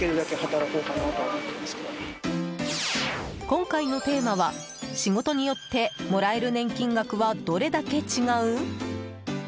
今回のテーマは仕事によってもらえる年金額はどれだけ違う？